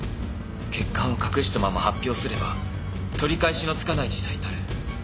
欠陥を隠したまま発表すれば取り返しのつかない事態になる。